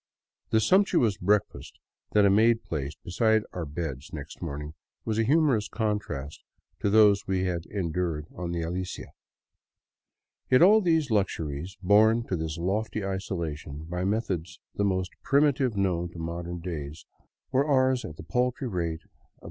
The sumptuous breakfast that a maid placed beside our beds next morning was a humorous con trast to those we had endured on the " Alicia." Yet all these luxuries, borne to this lofty isolation by methods the most primitive known to modern days, were ours at the paltry rate of $1.